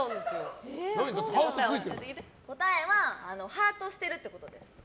答えはハートしてるってことです。